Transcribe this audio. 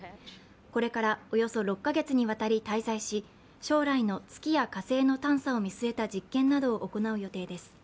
これからおよそ６か月にわたり滞在し、将来の月や火星の探査を見据えた実験を行う予定です。